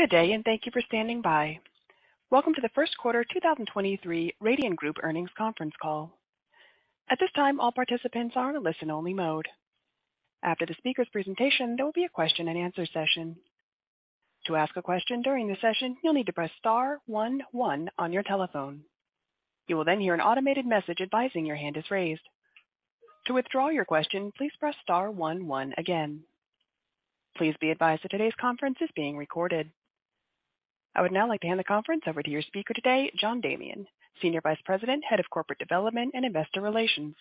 Good day, and thank you for standing by. Welcome to the first quarter 2023 Radian Group earnings conference call. At this time, all participants are in a listen-only mode. After the speaker's presentation, there will be a question-and-answer session. To ask a question during the session, you'll need to press star one one on your telephone. You will then hear an automated message advising your hand is raised. To withdraw your question, please press star one one again. Please be advised that today's conference is being recorded. I would now like to hand the conference over to your speaker today, John Damian, Senior Vice President, Head of Corporate Development and Investor Relations.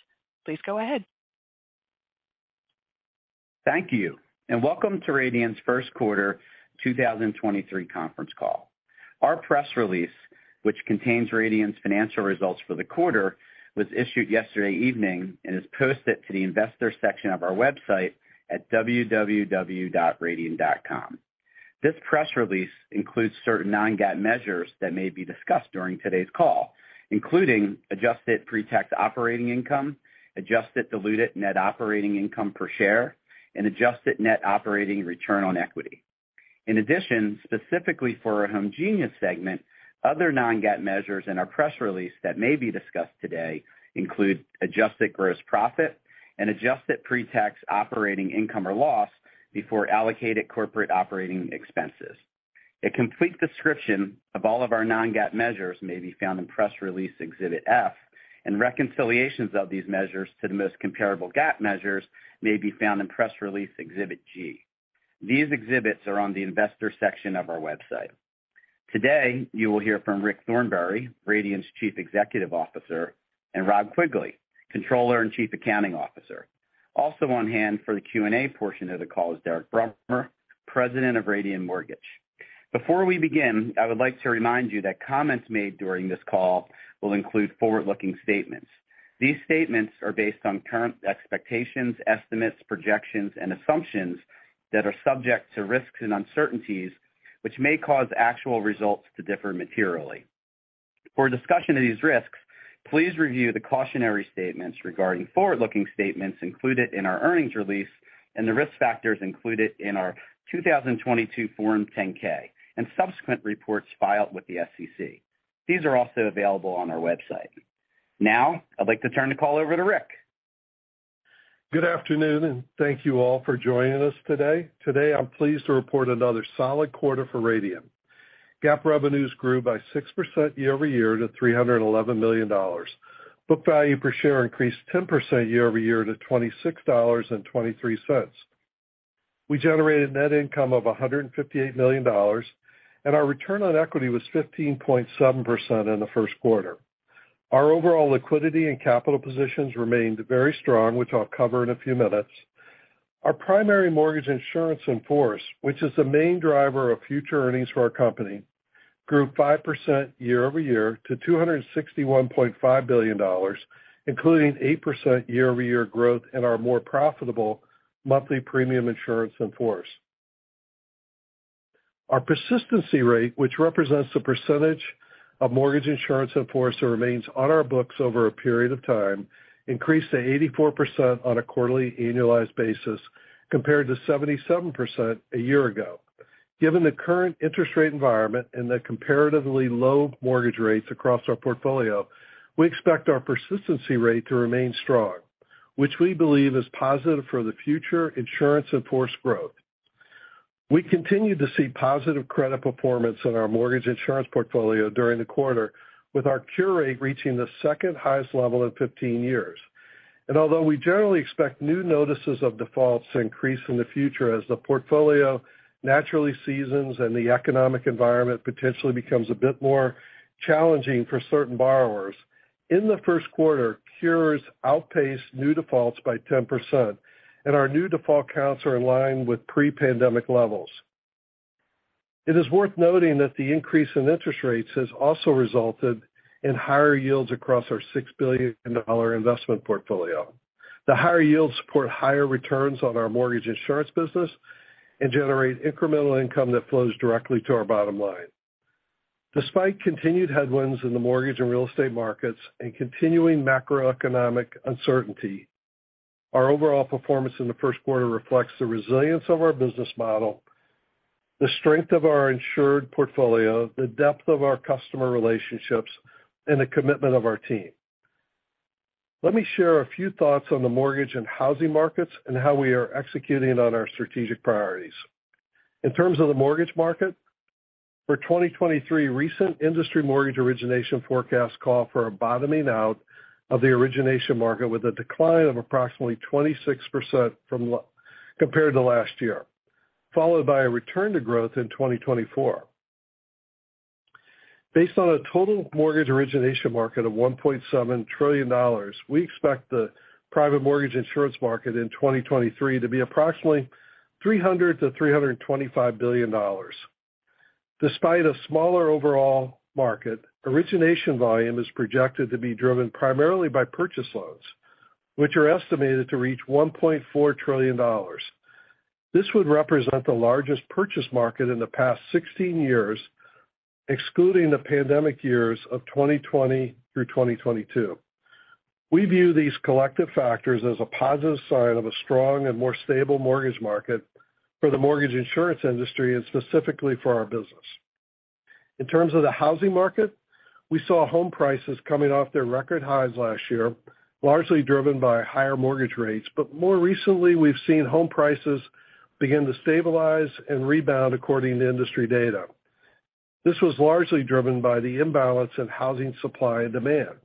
Please go ahead. Thank you, welcome to Radian's first quarter 2023 conference call. Our press release, which contains Radian's financial results for the quarter, was issued yesterday evening and is posted to the Investor section of our website at www.radian.com. This press release includes certain non-GAAP measures that may be discussed during today's call, including adjusted pre-tax operating income, adjusted diluted net operating income per share, and adjusted net operating return on equity. In addition, specifically for our homegenius segment, other non-GAAP measures in our press release that may be discussed today include adjusted gross profit and adjusted pre-tax operating income or loss before allocated corporate operating expenses. A complete description of all of our non-GAAP measures may be found in press release Exhibit F, and reconciliations of these measures to the most comparable GAAP measures may be found in press release Exhibit G. These Exhibits are on the Investor ection of our website. Today, you will hear from Rick Thornberry, Radian's Chief Executive Officer, and Rob Quigley, Controller and Chief Accounting Officer. Also on hand for the Q&A portion of the call is Derek Brummer, President of Radian Mortgage. Before we begin, I would like to remind you that comments made during this call will include forward-looking statements. These statements are based on current expectations, estimates, projections, and assumptions that are subject to risks and uncertainties, which may cause actual results to differ materially. For a discussion of these risks, please review the cautionary statements regarding forward-looking statements included in our earnings release and the risk factors included in our 2022 Form 10-K and subsequent reports filed with the SEC. These are also available on our website. Now, I'd like to turn the call over to Rick. Good afternoon, and thank you all for joining us today. Today, I'm pleased to report another solid quarter for Radian. GAAP revenues grew by 6% year-over-year to $311 million. Book value per share increased 10% year-over-year to $26.23. We generated net income of $158 million, and our return on equity was 15.7% in the first quarter. Our overall liquidity and capital positions remained very strong, which I'll cover in a few minutes. Our primary Mortgage Insurance in force, which is the main driver of future earnings for our company, grew 5% year-over-year to $261.5 billion, including 8% year-over-year growth in our more profitable Monthly Premium Insurance in Force. Our persistency rate, which represents the percentage of Mortgage Insurance in force that remains on our books over a period of time, increased to 84% on a quarterly annualized basis compared to 77% a year ago. Given the current interest rate environment and the comparatively low mortgage rates across our portfolio, we expect our persistency rate to remain strong, which we believe is positive for the future insurance in-force growth. We continue to see positive credit performance in our Mortgage Insurance portfolio during the quarter, with our cure rate reaching the second-highest level in 15 years. Although we generally expect new notices of defaults to increase in the future as the portfolio naturally seasons and the economic environment potentially becomes a bit more challenging for certain borrowers, in the first quarter, cures outpaced new defaults by 10%, and our new default counts are in line with pre-pandemic levels. It is worth noting that the increase in interest rates has also resulted in higher yields across our $6 billion investment portfolio. The higher yields support higher returns on our Mortgage Insurance business and generate incremental income that flows directly to our bottom line. Despite continued headwinds in the mortgage and real estate markets and continuing macroeconomic uncertainty, our overall performance in the first quarter reflects the resilience of our business model, the strength of our insured portfolio, the depth of our customer relationships, and the commitment of our team. Let me share a few thoughts on the mortgage and housing markets and how we are executing on our strategic priorities. In terms of the mortgage market, for 2023, recent industry mortgage origination forecasts call for a bottoming out of the origination market with a decline of approximately 26% compared to last year, followed by a return to growth in 2024. Based on a total mortgage origination market of $1.7 trillion, we expect the Private Mortgage Insurance market in 2023 to be approximately $300 billion-$325 billion. Despite a smaller overall market, origination volume is projected to be driven primarily by purchase loans, which are estimated to reach $1.4 trillion. This would represent the largest purchase market in the past 16 years. Excluding the pandemic years of 2020 through 2022. We view these collective factors as a positive sign of a strong and more stable mortgage market for the Mortgage Insurance industry and specifically for our business. More recently, we've seen home prices begin to stabilize and rebound according to industry data. This was largely driven by the imbalance in housing supply and demand.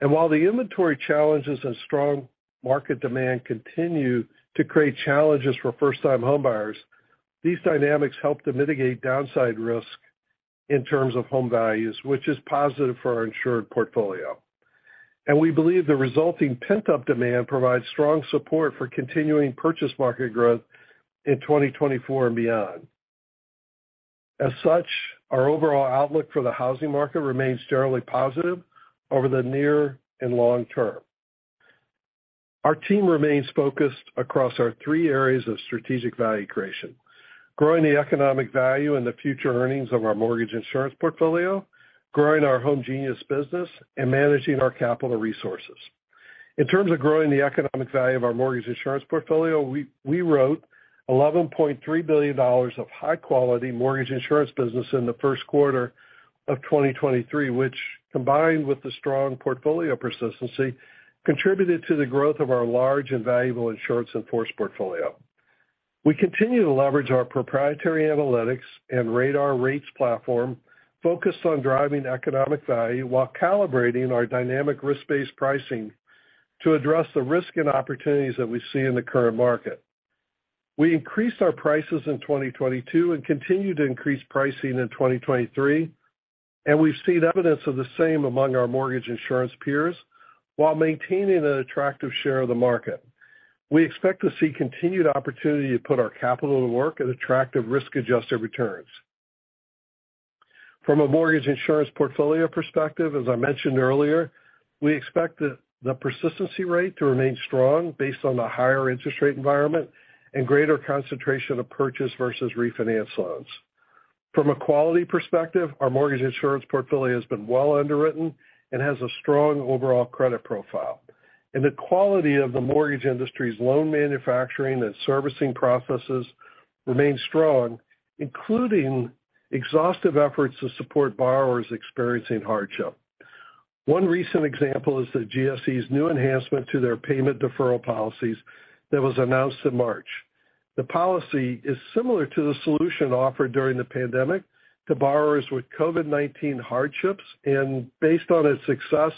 While the inventory challenges and strong market demand continue to create challenges for first-time homebuyers, these dynamics help to mitigate downside risk in terms of home values, which is positive for our insured portfolio. We believe the resulting pent-up demand provides strong support for continuing purchase market growth in 2024 and beyond. As such, our overall outlook for the housing market remains generally positive over the near and long term. Our team remains focused across our three areas of strategic value creation, growing the economic value and the future earnings of our Mortgage Insurance portfolio, growing our homegenius business, and managing our capital resources. In terms of growing the economic value of our Mortgage Insurance portfolio, we wrote $11.3 billion of high-quality Mortgage Insurance business in the first quarter of 2023, which, combined with the strong portfolio persistency, contributed to the growth of our large and valuable insurance in force portfolio. We continue to leverage our proprietary analytics and RADAR Rates platform focused on driving economic value while calibrating our dynamic risk-based pricing to address the risk and opportunities that we see in the current market. We increased our prices in 2022 and continue to increase pricing in 2023. We've seen evidence of the same among our Mortgage Insurance peers while maintaining an attractive share of the market. We expect to see continued opportunity to put our capital to work at attractive risk-adjusted returns. From a Mortgage Insurance portfolio perspective, as I mentioned earlier, we expect the persistency rate to remain strong based on the higher interest rate environment and greater concentration of purchase versus refinance loans. From a quality perspective, our Mortgage Insurance portfolio has been well underwritten and has a strong overall credit profile. The quality of the mortgage industry's loan manufacturing and servicing processes remains strong, including exhaustive efforts to support borrowers experiencing hardship. One recent example is the GSE's new enhancement to their payment deferral policies that was announced in March. The policy is similar to the solution offered during the pandemic to borrowers with COVID-19 hardships. Based on its success,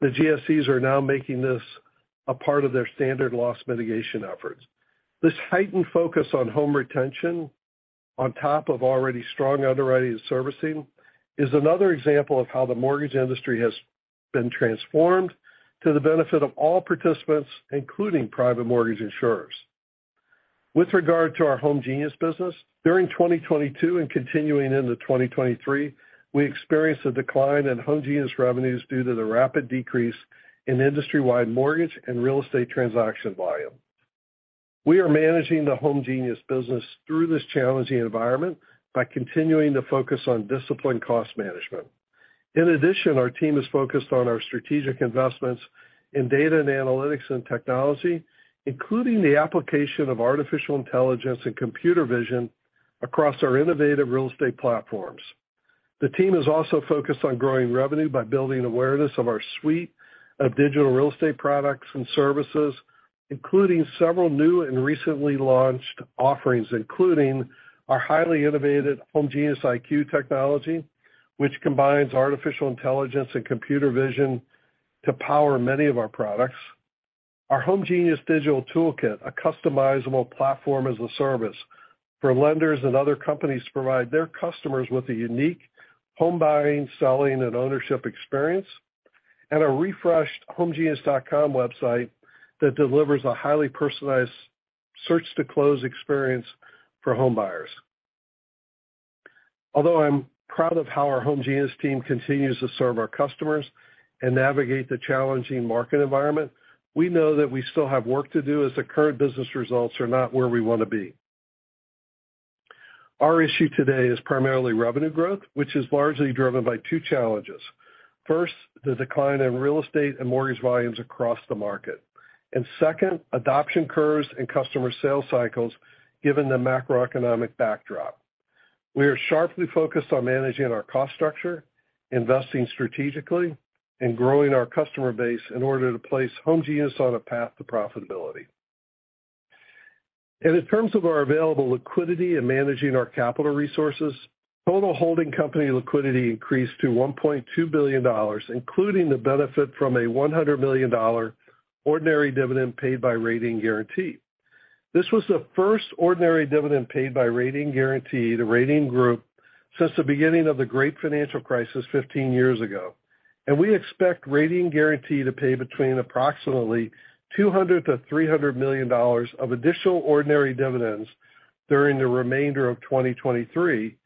the GSEs are now making this a part of their standard loss mitigation efforts. This heightened focus on home retention on top of already strong underwriting and servicing is another example of how the mortgage industry has been transformed to the benefit of all participants, including private mortgage insurers. With regard to our homegenius business, during 2022 and continuing into 2023, we experienced a decline in homegenius revenues due to the rapid decrease in industry-wide mortgage and real estate transaction volume. We are managing the homegenius business through this challenging environment by continuing to focus on disciplined cost management. In addition, our team is focused on our strategic investments in data and analytics and technology, including the application of artificial intelligence and computer vision across our innovative real estate platforms. The team is also focused on growing revenue by building awareness of our suite of digital real estate products and services, including several new and recently launched offerings, including our highly innovative homegeniusIQ technology, which combines artificial intelligence and computer vision to power many of our products. Our homegenius digital toolkit, a customizable Platform-as-a-Service for lenders and other companies to provide their customers with a unique home buying, selling, and ownership experience, and a refreshed homegenius.com website that delivers a highly personalized search to close experience for home buyers. Although I'm proud of how our homegenius team continues to serve our customers and navigate the challenging market environment, we know that we still have work to do as the current business results are not where we wanna be. Our issue today is primarily revenue growth, which is largely driven by two challenges. First, the decline in real estate and mortgage volumes across the market. Second, adoption curves and customer sales cycles given the macroeconomic backdrop. We are sharply focused on managing our cost structure, investing strategically, and growing our customer base in order to place homegenius on a path to profitability. In terms of our available liquidity and managing our capital resources, total holding company liquidity increased to $1.2 billion, including the benefit from a $100 million ordinary dividend paid by Radian Guaranty. This was the first ordinary dividend paid by Radian Guaranty, the Radian Group, since the beginning of the great financial crisis 15 years ago. We expect Radian Guaranty to pay between approximately $200 million-$300 million of additional ordinary dividends during the remainder of 2023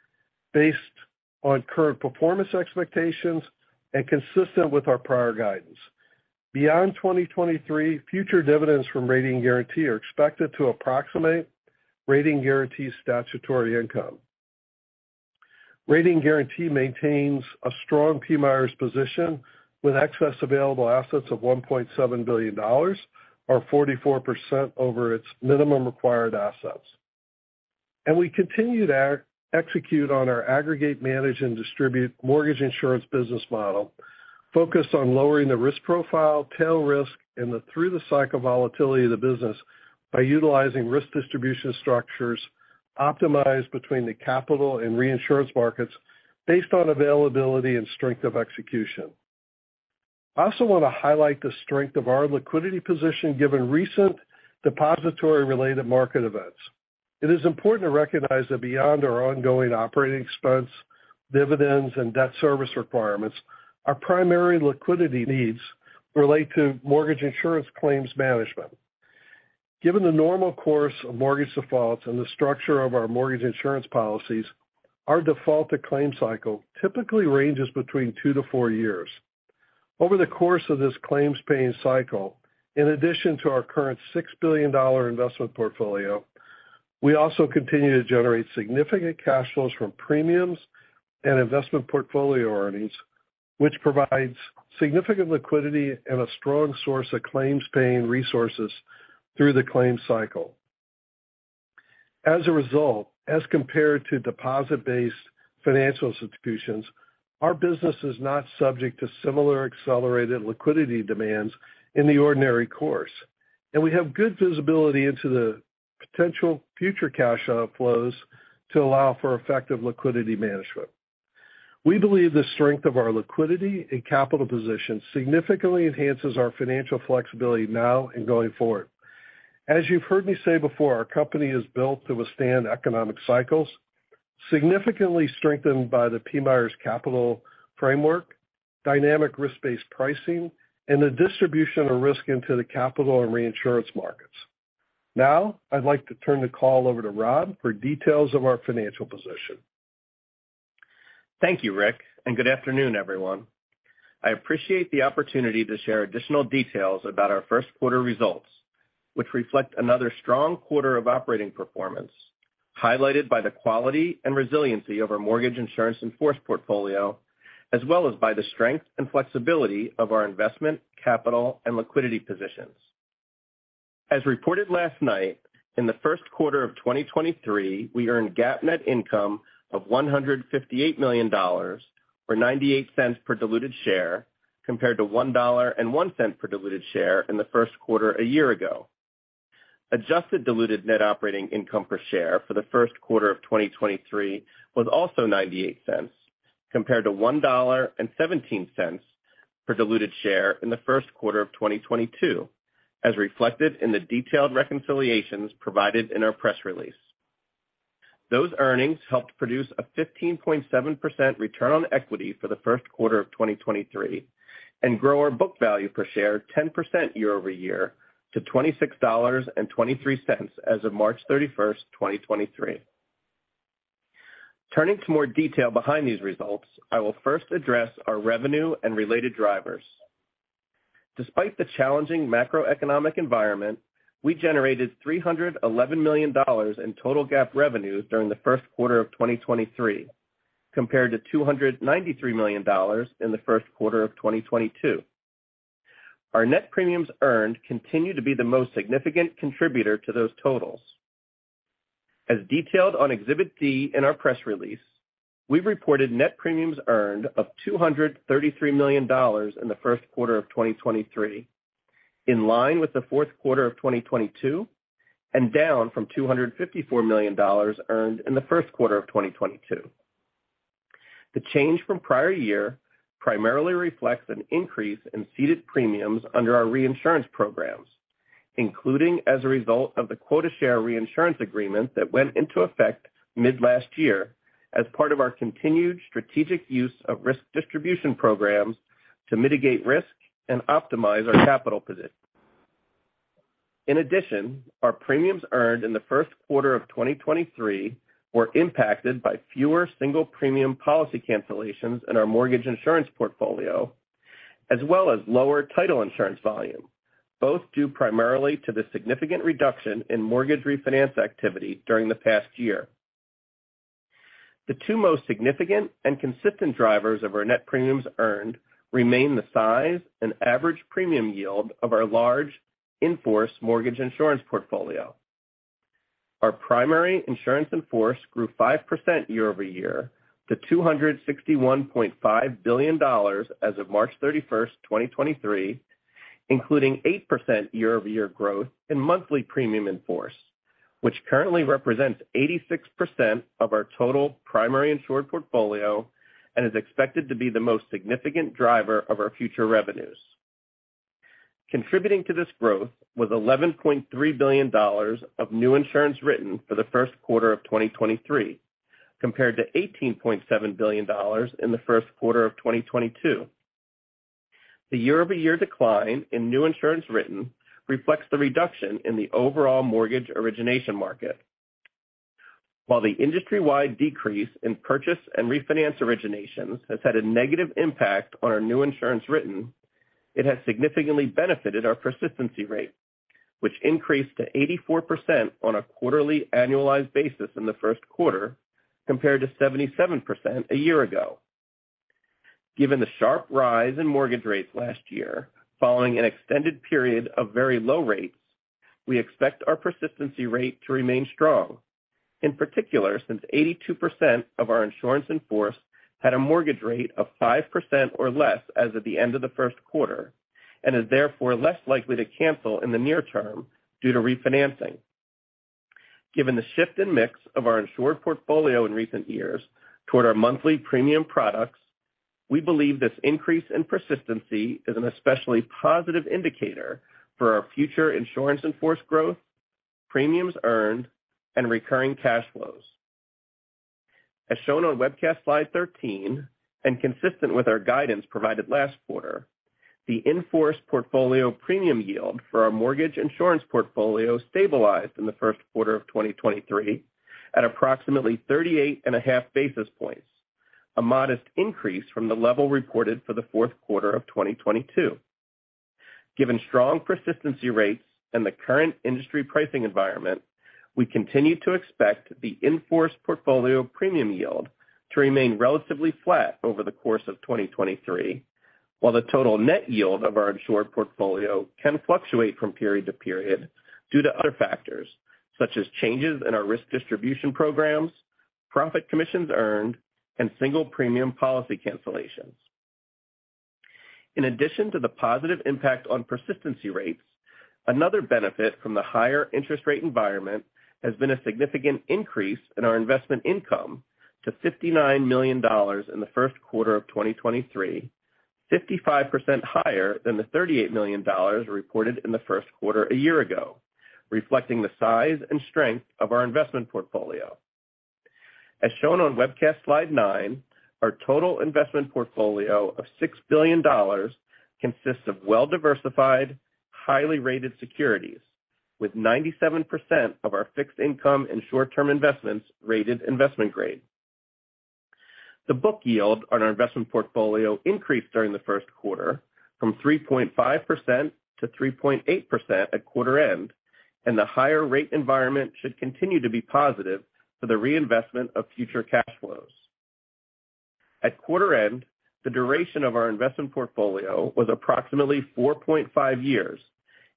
based on current performance expectations and consistent with our prior guidance. Beyond 2023, future dividends from Radian Guaranty are expected to approximate Radian Guaranty's statutory income. Radian Guaranty maintains a strong PMIERs position with excess available assets of $1.7 billion or 44% over its minimum required assets. We continue to execute on our aggregate manage and distribute Mortgage Insurance business model focused on lowering the risk profile, tail risk, and the through the cycle volatility of the business by utilizing risk distribution structures optimized between the capital and reinsurance markets based on availability and strength of execution. I also wanna highlight the strength of our liquidity position given recent depository related market events. It is important to recognize that beyond our ongoing operating expense, dividends, and debt service requirements, our primary liquidity needs relate to Mortgage Insurance claims management. Given the normal course of mortgage defaults and the structure of our Mortgage Insurance policies, our default to claim cycle typically ranges between two to four years. Over the course of this claims paying cycle, in addition to our current $6 billion investment portfolio, we also continue to generate significant cash flows from premiums and investment portfolio earnings, which provides significant liquidity and a strong source of claims paying resources through the claim cycle. As compared to deposit-based financial institutions, our business is not subject to similar accelerated liquidity demands in the ordinary course, and we have good visibility into the potential future cash outflows to allow for effective liquidity management. We believe the strength of our liquidity and capital position significantly enhances our financial flexibility now and going forward. As you've heard me say before, our company is built to withstand economic cycles, significantly strengthened by the PMIERs capital framework, dynamic risk-based pricing, and the distribution of risk into the capital and reinsurance markets. Now, I'd like to turn the call over to Rob for details of our financial position. Thank you, Rick. Good afternoon, everyone. I appreciate the opportunity to share additional details about our first quarter results, which reflect another strong quarter of operating performance, highlighted by the quality and resiliency of our Mortgage Insurance in force portfolio, as well as by the strength and flexibility of our investment, capital, and liquidity positions. As reported last night, in the first quarter of 2023, we earned GAAP net income of $158 million or $0.98 per diluted share compared to $1.01 per diluted share in the first quarter a year ago. Adjusted diluted net operating income per share for the first quarter of 2023 was also $0.98 compared to $1.17 per diluted share in the first quarter of 2022, as reflected in the detailed reconciliations provided in our press release. Those earnings helped produce a 15.7% return on equity for the first quarter of 2023 and grow our book value per share 10% year-over-year to $26.23 as of March 31, 2023. Turning to more detail behind these results, I will first address our revenue and related drivers. Despite the challenging macroeconomic environment, we generated $311 million in total GAAP revenues during the first quarter of 2023 compared to $293 million in the first quarter of 2022. Our net premiums earned continue to be the most significant contributor to those totals. As detailed on Exhibit D in our press release, we reported net premiums earned of $233 million in the first quarter of 2023, in line with the fourth quarter of 2022 and down from $254 million earned in the first quarter of 2022. The change from prior year primarily reflects an increase in ceded premiums under our reinsurance programs, including as a result of the quota share reinsurance agreement that went into effect mid last year as part of our continued strategic use of risk distribution programs to mitigate risk and optimize our capital position. In addition, our premiums earned in the first quarter of 2023 were impacted by fewer single premium policy cancellations in our Mortgage Insurance portfolio, as well as lower title insurance volume, both due primarily to the significant reduction in mortgage refinance activity during the past year. The two most significant and consistent drivers of our net premiums earned remain the size and average premium yield of our large in-force Mortgage Insurance portfolio. Our Primary Insurance in Force grew 5% year-over-year to $261.5 billion as of March 31st, 2023, including 8% year-over-year growth in Monthly Premium in Force, which currently represents 86% of our total primary insured portfolio and is expected to be the most significant driver of our future revenues. Contributing to this growth was $11.3 billion of new insurance written for the first quarter of 2023 compared to $18.7 billion in the first quarter of 2022. The year-over-year decline in new insurance written reflects the reduction in the overall mortgage origination market. While the industry-wide decrease in purchase and refinance originations has had a negative impact on our new insurance written, it has significantly benefited our persistency rate, which increased to 84% on a quarterly annualized basis in the first quarter compared to 77% a year ago. Given the sharp rise in mortgage rates last year, following an extended period of very low rates, we expect our persistency rate to remain strong, in particular, since 82% of our insurance in force had a mortgage rate of 5% or less as of the end of the first quarter, and is therefore less likely to cancel in the near term due to refinancing. Given the shift in mix of our insured portfolio in recent years toward our monthly premium products, we believe this increase in persistency is an especially positive indicator for our future insurance in-force growth, premiums earned, and recurring cash flows. As shown on webcast slide 13, consistent with our guidance provided last quarter, the in-force portfolio premium yield for our Mortgage Insurance portfolio stabilized in the first quarter of 2023 at approximately 38.5 basis points, a modest increase from the level reported for the fourth quarter of 2022. Given strong persistency rates and the current industry pricing environment, we continue to expect the in-force portfolio premium yield to remain relatively flat over the course of 2023, while the total net yield of our insured portfolio can fluctuate from period to period due to other factors, such as changes in our risk distribution programs, profit commissions earned, and single premium policy cancellations. In addition to the positive impact on persistency rates, another benefit from the higher interest rate environment has been a significant increase in our investment income to $59 million in the first quarter of 2023, 55% higher than the $38 million reported in the first quarter a year ago, reflecting the size and strength of our investment portfolio. As shown on webcast slide 9, our total investment portfolio of $6 billion consists of well-diversified, highly rated securities, with 97% of our fixed income and short-term investments rated investment grade. The book yield on our investment portfolio increased during the first quarter from 3.5%-3.8% at quarter end. The higher rate environment should continue to be positive for the reinvestment of future cash flows. At quarter end, the duration of our investment portfolio was approximately 4.5 years.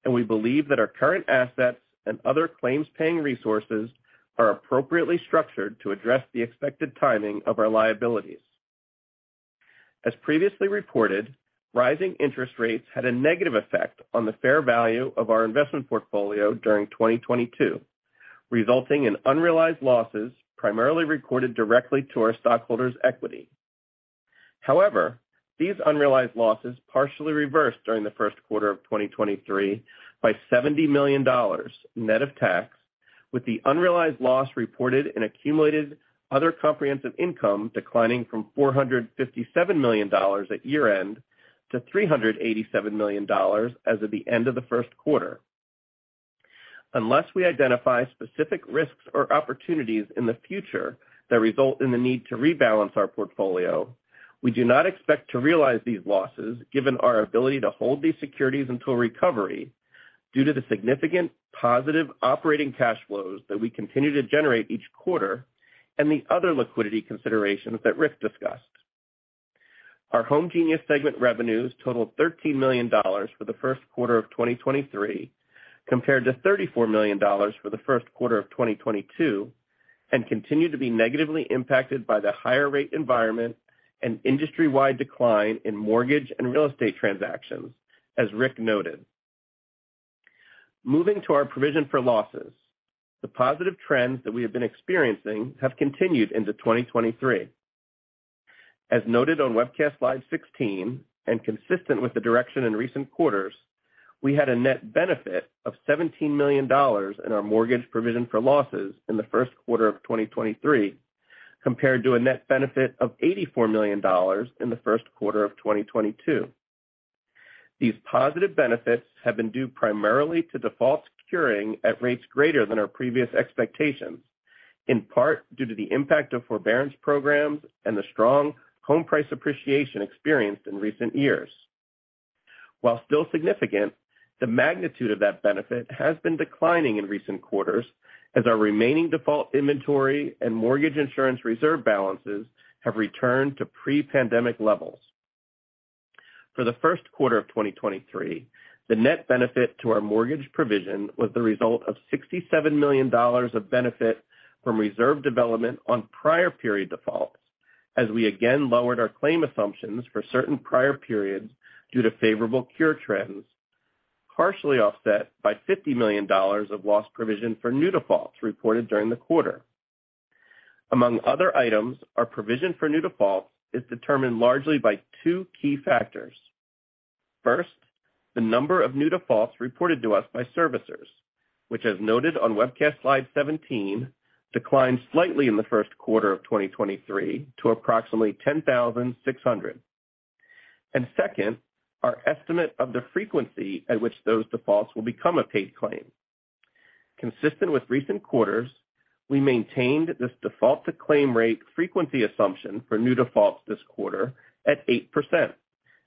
We believe that our current assets and other claims-paying resources are appropriately structured to address the expected timing of our liabilities. As previously reported, rising interest rates had a negative effect on the fair value of our investment portfolio during 2022, resulting in unrealized losses primarily recorded directly to our stockholders' equity. These unrealized losses partially reversed during the first quarter of 2023 by $70 million net of tax, with the unrealized loss reported in accumulated other comprehensive income declining from $457 million at year-end to $387 million as of the end of the first quarter. Unless we identify specific risks or opportunities in the future that result in the need to rebalance our portfolio, we do not expect to realize these losses given our ability to hold these securities until recovery due to the significant positive operating cash flows that we continue to generate each quarter and the other liquidity considerations that Rick discussed. Our homegenius segment revenues totaled $13 million for the first quarter of 2023 compared to $34 million for the first quarter of 2022 and continue to be negatively impacted by the higher rate environment and industry-wide decline in mortgage and real estate transactions, as Rick noted. Moving to our provision for losses. The positive trends that we have been experiencing have continued into 2023. As noted on webcast slide 16 and consistent with the direction in recent quarters, we had a net benefit of $17 million in our mortgage provision for losses in the first quarter of 2023 compared to a net benefit of $84 million in the first quarter of 2022. These positive benefits have been due primarily to defaults curing at rates greater than our previous expectations, in part due to the impact of forbearance programs and the strong home price appreciation experienced in recent years. While still significant, the magnitude of that benefit has been declining in recent quarters as our remaining default inventory and Mortgage Insurance reserve balances have returned to pre-pandemic levels. For the first quarter of 2023, the net benefit to our mortgage provision was the result of $67 million of benefit from reserve development on prior period defaults as we again lowered our claim assumptions for certain prior periods due to favorable cure trends, partially offset by $50 million of loss provision for new defaults reported during the quarter. Among other items, our provision for new defaults is determined largely by two key factors. First, the number of new defaults reported to us by servicers, which as noted on webcast slide 17, declined slightly in the first quarter of 2023 to approximately 10,600. Second, our estimate of the frequency at which those defaults will become a paid claim. Consistent with recent quarters, we maintained this default to claim rate frequency assumption for new defaults this quarter at 8%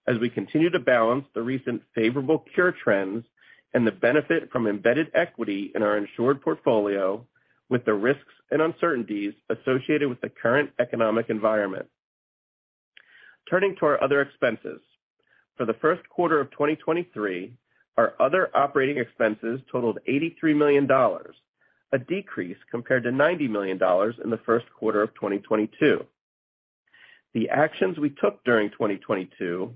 as we continue to balance the recent favorable cure trends and the benefit from embedded equity in our insured portfolio with the risks and uncertainties associated with the current economic environment. Turning to our other expenses. For the first quarter of 2023, our other operating expenses totaled $83 million, a decrease compared to $90 million in the first quarter of 2022. The actions we took during 2022,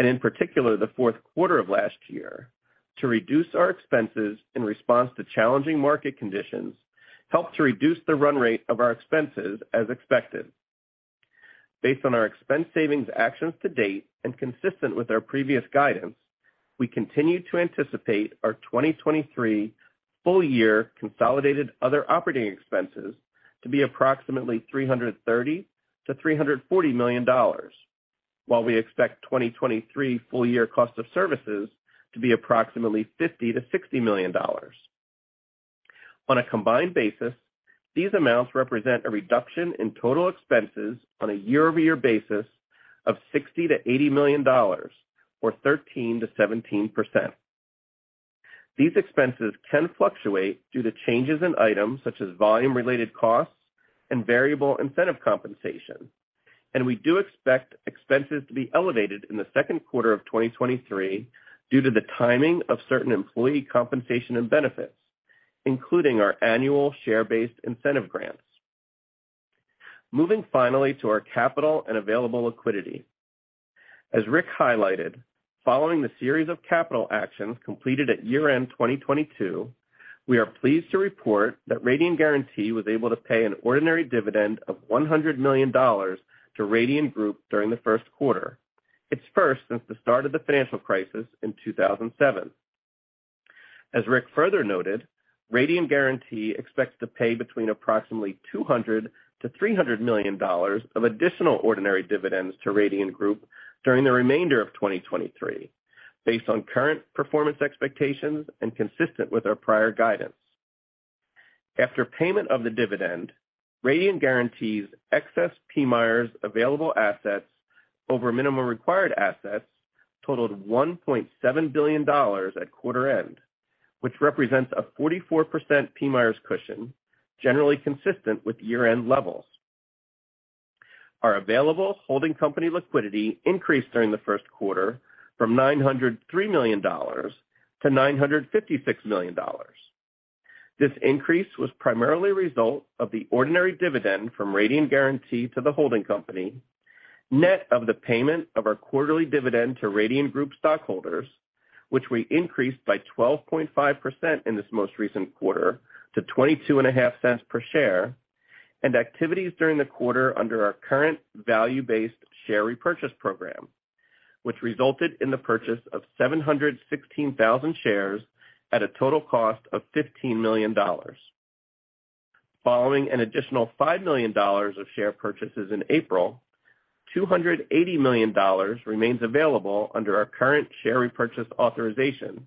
and in particular the fourth quarter of last year, to reduce our expenses in response to challenging market conditions helped to reduce the run rate of our expenses as expected. Based on our expense savings actions to date and consistent with our previous guidance, we continue to anticipate our 2023 full year consolidated other operating expenses to be approximately $330 million-$340 million, while we expect 2023 full year cost of services to be approximately $50 million-$60 million. On a combined basis, these amounts represent a reduction in total expenses on a year-over-year basis of $60 million-$80 million or 13%-17%. These expenses can fluctuate due to changes in items such as volume-related costs and variable incentive compensation, and we do expect expenses to be elevated in the second quarter of 2023 due to the timing of certain employee compensation and benefits, including our annual share-based incentive grants. Moving finally to our capital and available liquidity. As Rick highlighted, following the series of capital actions completed at year-end 2022, we are pleased to report that Radian Guaranty was able to pay an ordinary dividend of $100 million to Radian Group during the first quarter, its first since the start of the financial crisis in 2007. As Rick further noted, Radian Guaranty expects to pay between approximately $200 million-$300 million of additional ordinary dividends to Radian Group during the remainder of 2023 based on current performance expectations and consistent with our prior guidance. After payment of the dividend, Radian Guaranty's excess PMIERs available assets over minimum required assets totaled $1.7 billion at quarter end, which represents a 44% PMIERs cushion, generally consistent with year-end levels. Our available holding company liquidity increased during the first quarter from $903 million to $956 million. This increase was primarily a result of the ordinary dividend from Radian Guaranty to the holding company, net of the payment of our quarterly dividend to Radian Group stockholders, which we increased by 12.5% in this most recent quarter to $0.225 per share and activities during the quarter under our current value-based share repurchase program, which resulted in the purchase of 716,000 shares at a total cost of $15 million. Following an additional $5 million of share purchases in April, $280 million remains available under our current share repurchase authorization,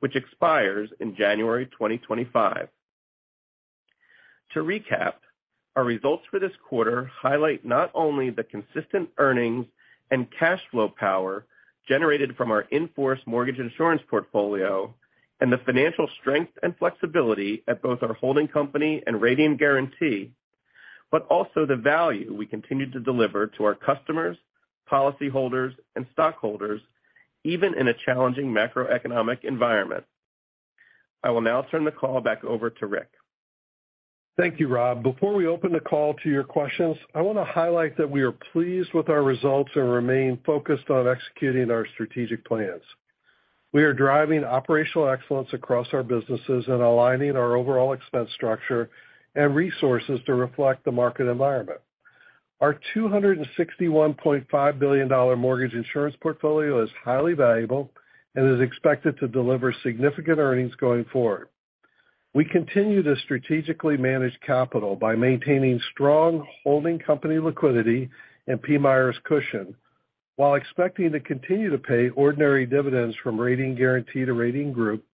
which expires in January 2025. To recap, our results for this quarter highlight not only the consistent earnings and cash flow power generated from our in-force Mortgage Insurance portfolio and the financial strength and flexibility at both our holding company and Radian Guaranty, but also the value we continue to deliver to our customers, policyholders, and stockholders, even in a challenging macroeconomic environment. I will now turn the call back over to Rick. Thank you, Rob. Before we open the call to your questions, I want to highlight that we are pleased with our results and remain focused on executing our strategic plans. We are driving operational excellence across our businesses and aligning our overall expense structure and resources to reflect the market environment. Our $261.5 billion Mortgage Insurance portfolio is highly valuable and is expected to deliver significant earnings going forward. We continue to strategically manage capital by maintaining strong holding company liquidity and PMIERs cushion while expecting to continue to pay ordinary dividends from Radian Guaranty to Radian Group,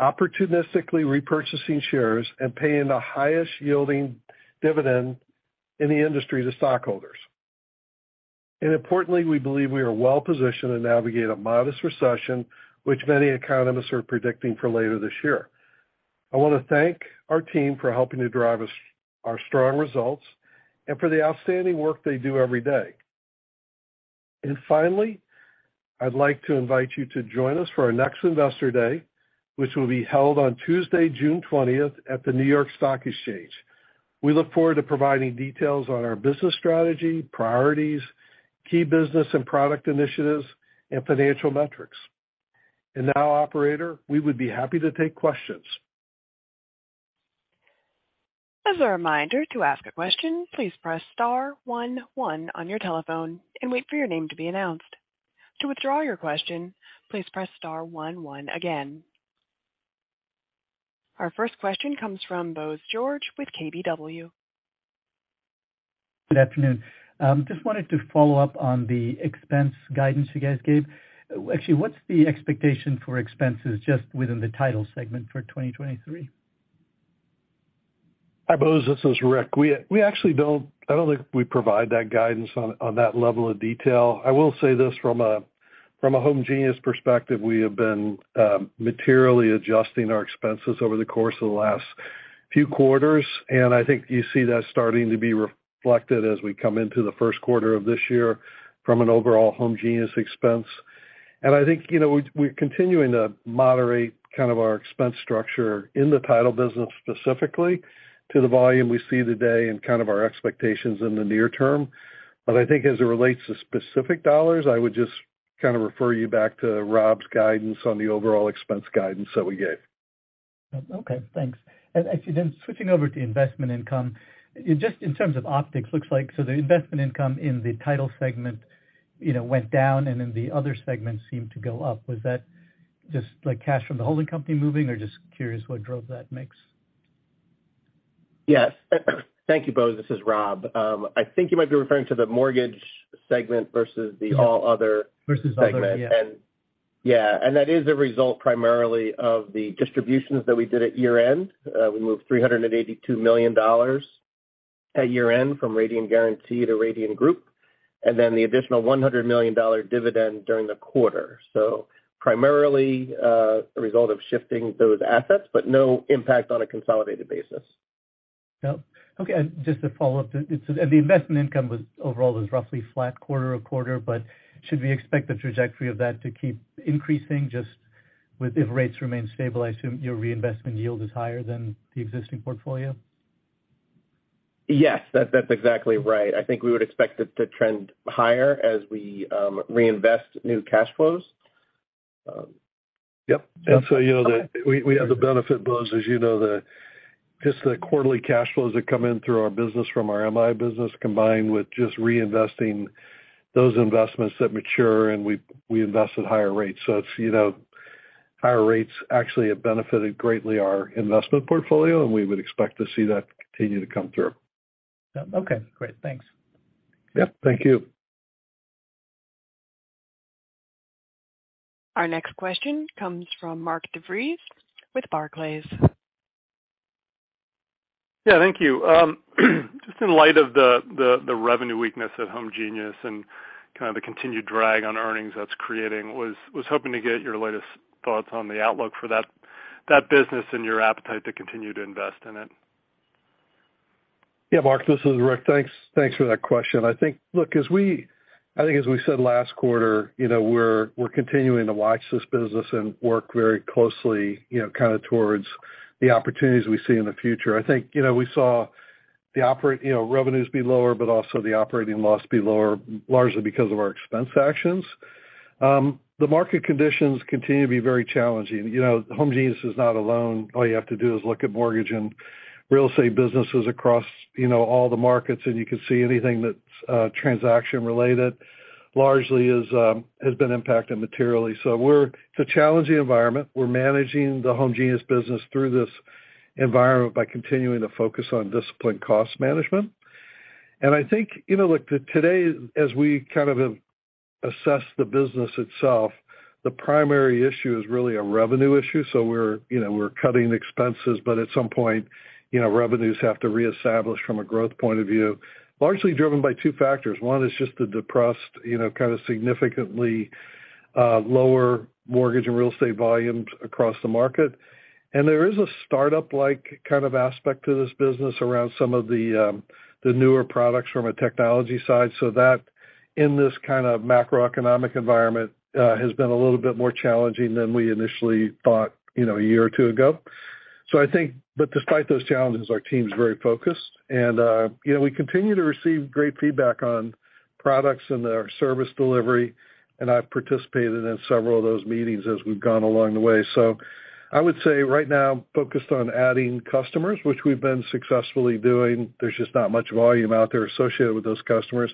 opportunistically repurchasing shares, and paying the highest-yielding dividend in the industry to stockholders. Importantly, we believe we are well positioned to navigate a modest recession, which many economists are predicting for later this year. I wanna thank our team for helping to drive our strong results and for the outstanding work they do every day. Finally, I'd like to invite you to join us for our next Investor Day, which will be held on Tuesday, June 20th, at the New York Stock Exchange. We look forward to providing details on our business strategy, priorities, key business and product initiatives, and financial metrics. Now, operator, we would be happy to take questions. As a reminder, to ask a question, please press star one one on your telephone and wait for your name to be announced. To withdraw your question, please press star one one again. Our first question comes from Bose George with KBW. Good afternoon. Just wanted to follow up on the expense guidance you guys gave. What's the expectation for expenses just within the title segment for 2023? Hi, Bose. This is Rick. We actually I don't think we provide that guidance on that level of detail. I will say this from a homegenius perspective, we have been materially adjusting our expenses over the course of the last few quarters, and I think you see that starting to be reflected as we come into the first quarter of this year from an overall homegenius expense. I think, you know, we're continuing to moderate kind of our expense structure in the title business specifically to the volume we see today and kind of our expectations in the near term. I think as it relates to specific dollars, I would just kind of refer you back to Rob's guidance on the overall expense guidance that we gave. Okay. Thanks. Actually then switching over to investment income, just in terms of optics, looks like, the investment income in the title segment, you know, went down and then the other segments seemed to go up. Was that just like cash from the holding company moving or just curious what drove that mix? Yes. Thank you, Bose. This is Rob. I think you might be referring to the mortgage segment versus the all other segment. Versus other, yeah. That is a result primarily of the distributions that we did at year-end. We moved $382 million at year-end from Radian Guaranty to Radian Group, and then the additional $100 million dividend during the quarter. Primarily, a result of shifting those assets, but no impact on a consolidated basis. No. Okay. Just to follow up, the investment income was overall roughly flat quarter-over-quarter, but should we expect the trajectory of that to keep increasing just with if rates remain stable? I assume your reinvestment yield is higher than the existing portfolio. Yes. That's exactly right. I think we would expect it to trend higher as we reinvest new cash flows. Yep. you know, we have the benefit, Bose, as you know, just the quarterly cash flows that come in through our business from our MI business combined with just reinvesting those investments that mature and we invest at higher rates. it's, you know, higher rates actually have benefited greatly our investment portfolio, and we would expect to see that continue to come through. Yeah. Okay, great. Thanks. Yep. Thank you. Our next question comes from Mark DeVries with Barclays. Yeah. Thank you. Just in light of the revenue weakness at homegenius and kind of the continued drag on earnings that's creating, was hoping to get your latest thoughts on the outlook for that business and your appetite to continue to invest in it. Yeah, Mark, this is Rick. Thanks for that question. I think, look, as we said last quarter, you know, we're continuing to watch this business and work very closely, you know, kind of towards the opportunities we see in the future. I think, you know, we saw the revenues be lower, but also the operating loss be lower largely because of our expense actions. The market conditions continue to be very challenging. You know, homegenius is not alone. All you have to do is look at Mortgage and Real Estate businesses across, you know, all the markets, and you can see anything that's transaction related largely is has been impacted materially. It's a challenging environment. We're managing the homegenius business through this environment by continuing to focus on disciplined cost management. I think, you know, look, today, as we assess the business itself, the primary issue is really a revenue issue. We're, you know, we're cutting expenses, but at some point, you know, revenues have to reestablish from a growth point of view, largely driven by two factors. One is just the depressed, you know, significantly lower mortgage and real estate volumes across the market. There is a startup like aspect to this business around some of the newer products from a technology side. That in this macroeconomic environment has been a little bit more challenging than we initially thought, you know, one or two years ago. I think that despite those challenges, our team's very focused and, you know, we continue to receive great feedback on products and their service delivery, and I've participated in several of those meetings as we've gone along the way. I would say right now focused on adding customers, which we've been successfully doing. There's just not much volume out there associated with those customers.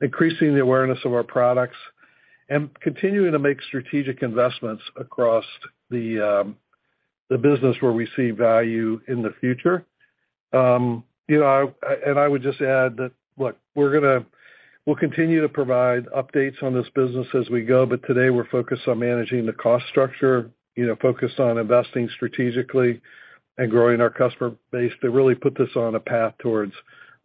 Increasing the awareness of our products and continuing to make strategic investments across the business where we see value in the future. You know, and I would just add that, look, we're gonna, we'll continue to provide updates on this business as we go, but today we're focused on managing the cost structure, you know, focused on investing strategically and growing our customer base to really put this on a path towards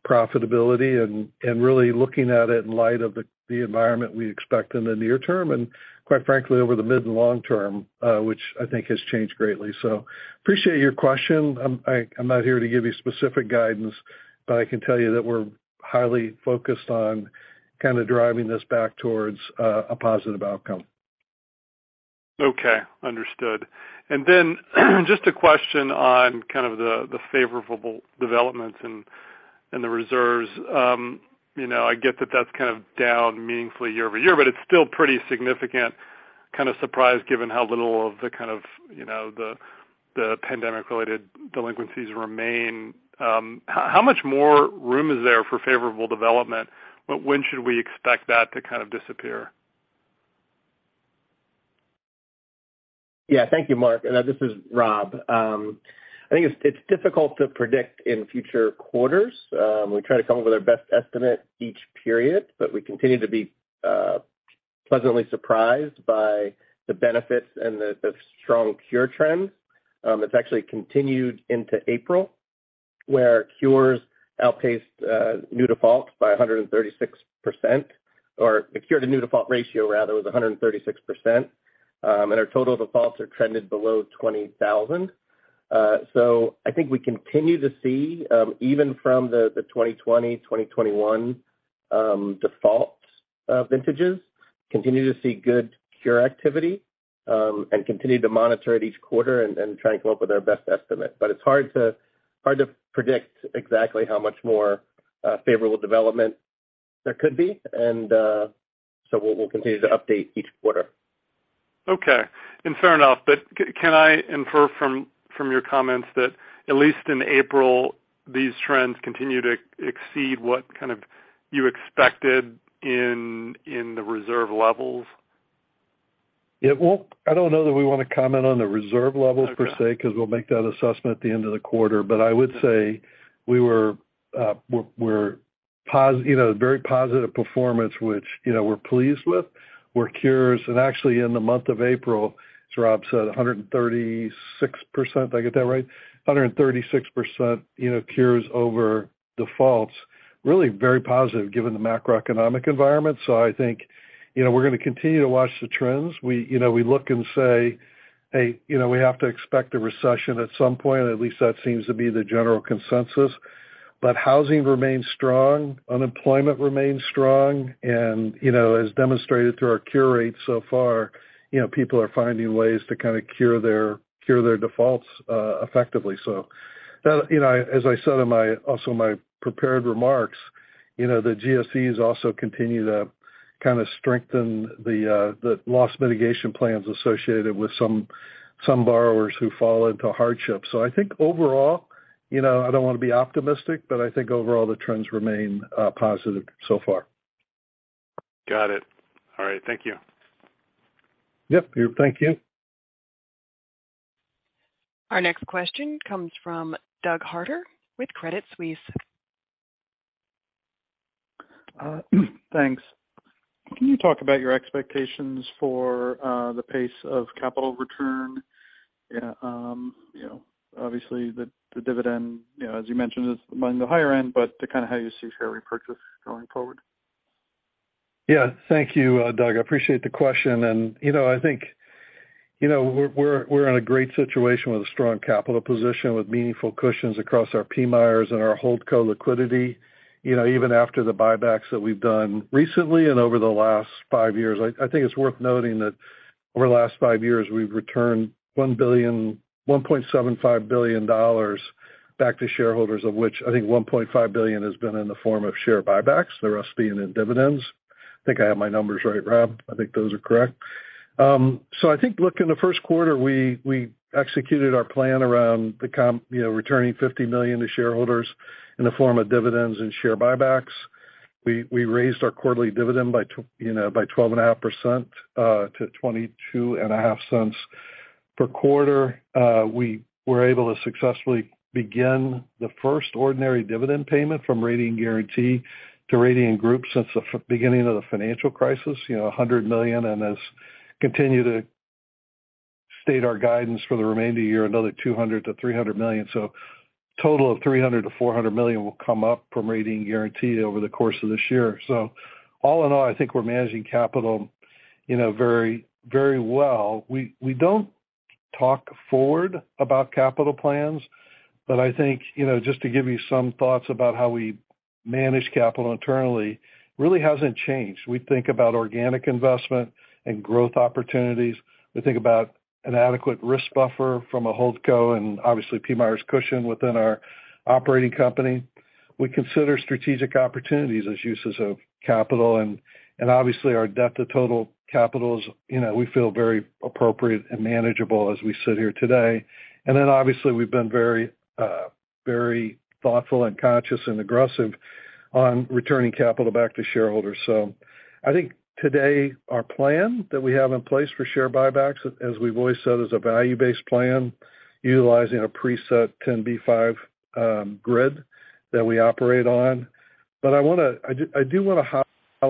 profitability and really looking at it in light of the environment we expect in the near term and quite frankly over the mid and long term, which I think has changed greatly. Appreciate your question. I'm not here to give you specific guidance, but I can tell you that we're highly focused on kind of driving this back towards a positive outcome. Okay. Understood. Just a question on kind of the favorable developments in the reserves. you know, I get that that's kind of down meaningfully year-over-year, but it's still pretty significant kind of surprise given how little of the kind of, you know, the pandemic-related delinquencies remain. How, how much more room is there for favorable development? When should we expect that to kind of disappear? Thank you, Mark DeVries. This is Rob. I think it's difficult to predict in future quarters. We try to come up with our best estimate each period, but we continue to be pleasantly surprised by the benefits and the strong cure trends. It's actually continued into April, where cures outpaced new defaults by 136%. Or the cure-to-new default ratio rather was 136%. Our total defaults are trended below 20,000. I think we continue to see, even from the 2020, 2021 defaults of vintages, continue to see good cure activity, and continue to monitor it each quarter and try and come up with our best estimate. But it's hard to predict exactly how much more favorable development there could be. We'll continue to update each quarter. Okay. Fair enough. Can I infer from your comments that at least in April, these trends continue to exceed what kind of you expected in the reserve levels? Yeah. Well, I don't know that we wanna comment on the reserve levels. Okay... per se, 'cause we'll make that assessment at the end of the quarter. I would say we were, you know, very positive performance, which, you know, we're pleased with. We're curious. Actually, in the month of April, as Rob said, 136%, did I get that right? 136%, you know, cures over defaults. Really very positive given the macroeconomic environment. I think, you know, we're gonna continue to watch the trends. We, you know, look and say, "Hey, you know, we have to expect a recession at some point," at least that seems to be the general consensus. Housing remains strong, unemployment remains strong, and, you know, as demonstrated through our cure rates so far, you know, people are finding ways to kinda cure their defaults effectively. You know, as I said in my prepared remarks, you know, the GSEs also continue to kinda strengthen the loss mitigation plans associated with some borrowers who fall into hardship. I think overall, you know, I don't wanna be optimistic, but I think overall, the trends remain positive so far. Got it. All right. Thank you. Yep. Thank you. Our next question comes from Doug Harter with Credit Suisse. Thanks. Can you talk about your expectations for the pace of capital return? Yeah, you know, obviously, the dividend, you know, as you mentioned, is among the higher end. To kinda how you see share repurchase going forward. Yeah. Thank you, Doug. I appreciate the question. You know, I think, you know, we're in a great situation with a strong capital position with meaningful cushions across our PMIERs and our holdco liquidity. You know, even after the buybacks that we've done recently and over the last five years. I think it's worth noting that over the last five years, we've returned $1.75 billion back to shareholders of which I think $1.5 billion has been in the form of share buybacks, the rest being in dividends. I think I have my numbers right, Rob. I think those are correct. I think, look, in the first quarter, we executed our plan around you know, returning $50 million to shareholders in the form of dividends and share buybacks. We raised our quarterly dividend by 12.5% to $0.225 per quarter. We were able to successfully begin the first ordinary dividend payment from Radian Guaranty to Radian Group since the beginning of the financial crisis, you know, $100 million. As continue to state our guidance for the remainder of the year, another $200 million-$300 million. Total of $300 million-$400 million will come up from Radian Guaranty over the course of this year. All in all, I think we're managing capital, you know, very, very well. We don't talk forward about capital plans, but I think, you know, just to give you some thoughts about how we manage capital internally really hasn't changed. We think about organic investment and growth opportunities. We think about an adequate risk buffer from a holdco and obviously PMIERs cushion within our operating company. We consider strategic opportunities as uses of capital and obviously our debt to total capital is, you know, we feel very appropriate and manageable as we sit here today. Obviously we've been very, very thoughtful and conscious and aggressive on returning capital back to shareholders. I think today our plan that we have in place for shared buybacks, as we've always said, is a value-based plan utilizing a preset 10b5-1 grid that we operate on. I do wanna,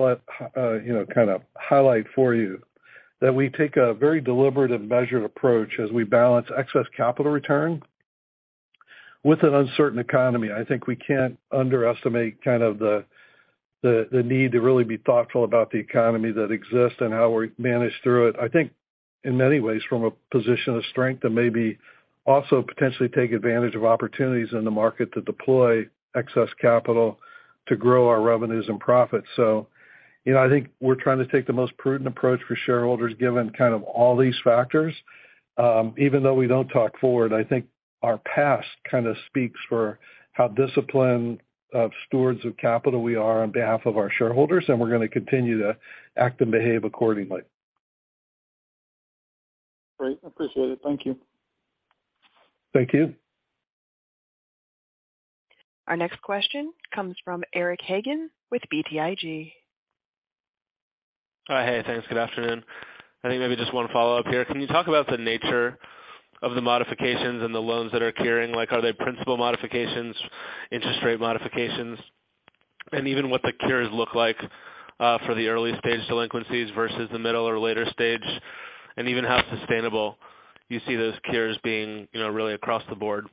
you know, kinda highlight for you that we take a very deliberate and measured approach as we balance excess capital return with an uncertain economy. I think we can't underestimate kind of the, the need to really be thoughtful about the economy that exists and how we manage through it. I think in many ways from a position of strength and maybe also potentially take advantage of opportunities in the market to deploy excess capital to grow our revenues and profits. You know, I think we're trying to take the most prudent approach for shareholders given kind of all these factors. Even though we don't talk forward, I think our past kinda speaks for how disciplined of stewards of capital we are on behalf of our shareholders, and we're gonna continue to act and behave accordingly. Great. Appreciate it. Thank you. Thank you. Our next question comes from Eric Hagen with BTIG. Hi. Hey, thanks. Good afternoon. I think maybe just one follow-up here. Can you talk about the nature of the modifications and the loans that are curing? Like, are they principal modifications, interest rate modifications? Even what the cures look like for the early stage delinquencies versus the middle or later stage, and even how sustainable you see those cures being, you know, really across the board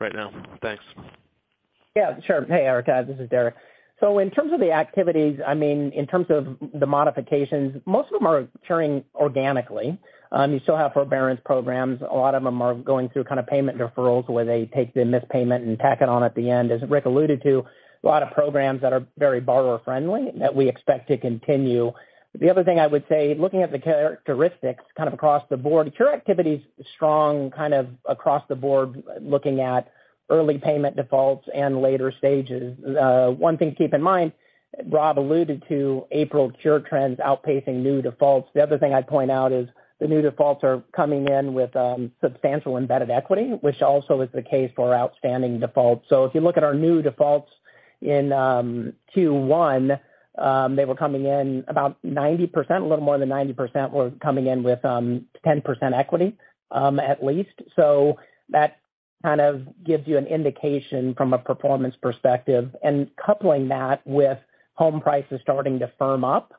right now. Thanks. Yeah, sure. Hey, Eric, this is Derek. In terms of the activities, I mean, in terms of the modifications, most of them are curing organically. You still have forbearance programs. A lot of them are going through kind of payment deferrals where they take the missed payment and tack it on at the end. As Rick alluded to, a lot of programs that are very borrower-friendly that we expect to continue. The other thing I would say, looking at the characteristics kind of across the board, cure activity is strong kind of across the board, looking at early payment defaults and later stages. One thing to keep in mind, Rob alluded to April cure trends outpacing new defaults. The other thing I'd point out is the new defaults are coming in with substantial embedded equity, which also is the case for outstanding defaults. If you look at our new defaults in Q1, they were coming in about 90%. A little more than 90% were coming in with 10% equity, at least. That kind of gives you an indication from a performance perspective. Coupling that with home prices starting to firm up.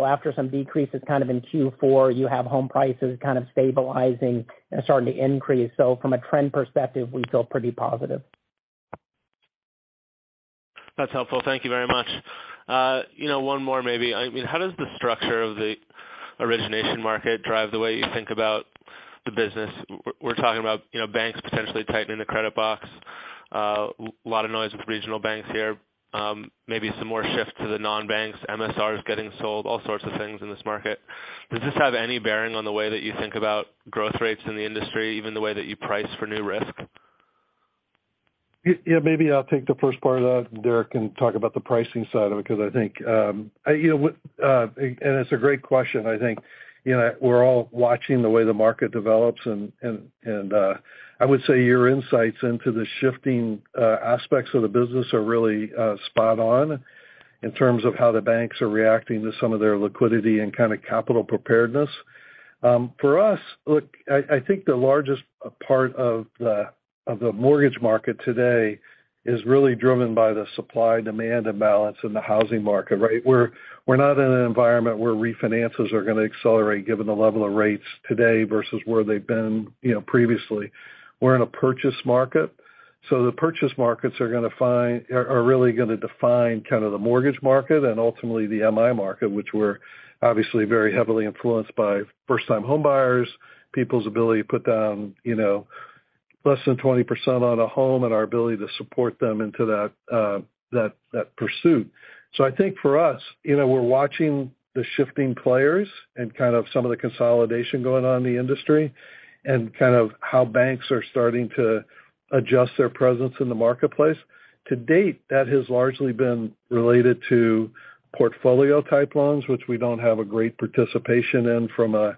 After some decreases kind of in Q4, you have home prices kind of stabilizing and starting to increase. From a trend perspective, we feel pretty positive. That's helpful. Thank you very much. you know, one more maybe. I mean, how does the structure of the origination market drive the way you think about the business? We're talking about, you know, banks potentially tightening the credit box. lot of noise with regional banks here. maybe some more shift to the non-banks. MSRs getting sold, all sorts of things in this market. Does this have any bearing on the way that you think about growth rates in the industry, even the way that you price for new risk? Yeah, maybe I'll take the first part of that. Derek can talk about the pricing side of it, because I think, you know, it's a great question, I think. You know, we're all watching the way the market develops and, I would say your insights into the shifting aspects of the business are really spot on in terms of how the banks are reacting to some of their liquidity and kind of capital preparedness. For us, look, I think the largest part of the, of the mortgage market today is really driven by the supply-demand imbalance in the housing market, right? We're, we're not in an environment where refinances are gonna accelerate given the level of rates today versus where they've been, you know, previously. We're in a purchase market. The purchase markets are really gonna define kind of the mortgage market and ultimately the MI market, which we're obviously very heavily influenced by first-time homebuyers, people's ability to put down, you know, less than 20% on a home and our ability to support them into that pursuit. I think for us, you know, we're watching the shifting players and kind of some of the consolidation going on in the industry and kind of how banks are starting to adjust their presence in the marketplace. To date, that has largely been related to portfolio-type loans, which we don't have a great participation in from a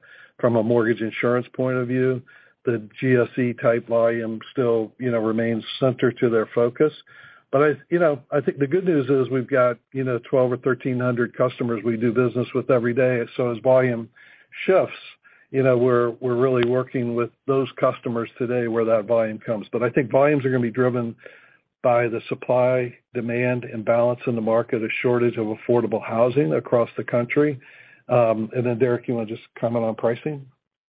Mortgage Insurance point of view. The GSE-type volume still, you know, remains center to their focus. I, you know, I think the good news is we've got, you know, 1,200 or 1,300 customers we do business with every day. As volume shifts, you know, we're really working with those customers today where that volume comes. I think volumes are gonna be driven by the supply-demand imbalance in the market, a shortage of affordable housing across the country. Derek, you wanna just comment on pricing?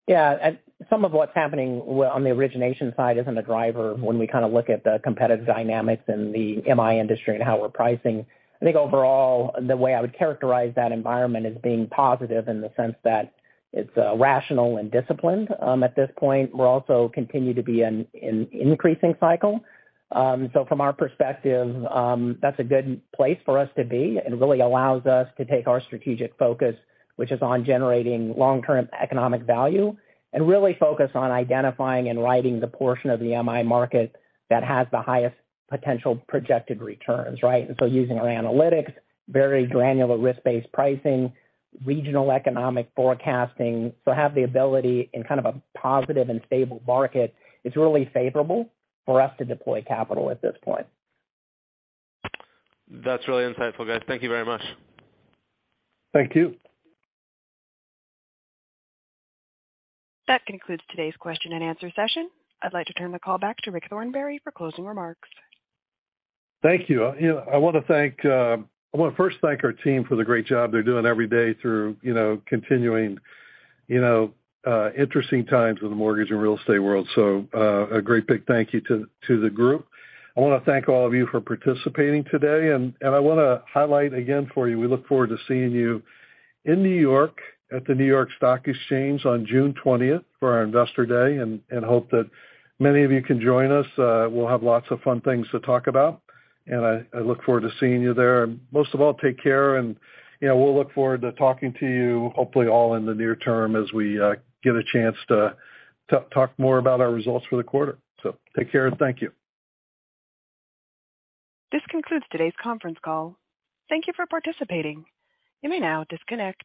Yeah. Some of what's happening on the origination side isn't a driver when we kinda look at the competitive dynamics in the MI industry and how we're pricing. I think overall, the way I would characterize that environment as being positive in the sense that it's rational and disciplined at this point. We're also continue to be in increasing cycle. From our perspective, that's a good place for us to be and really allows us to take our strategic focus, which is on generating long-term economic value and really focus on identifying and writing the portion of the MI market that has the highest potential projected returns, right? Using our analytics, very granular risk-based pricing, regional economic forecasting. Have the ability in kind of a positive and stable market is really favorable for us to deploy capital at this point. That's really insightful, guys. Thank you very much. Thank you. That concludes today's question and answer session. I'd like to turn the call back to Rick Thornberry for closing remarks. Thank you. You know, I wanna thank, I wanna first thank our team for the great job they're doing every day through, you know, continuing, you know, interesting times with the mortgage and real estate world. a great big thank you to the group. I wanna thank all of you for participating today. I wanna highlight again for you, we look forward to seeing you in New York at the New York Stock Exchange on June 20th for our Investor Day, hope that many of you can join us. we'll have lots of fun things to talk about, and I look forward to seeing you there. Most of all, take care. You know, we'll look forward to talking to you, hopefully all in the near term as we get a chance to talk more about our results for the quarter. Take care and thank you. This concludes today's conference call. Thank you for participating. You may now disconnect.